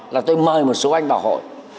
là tôi mời một số anh vào hội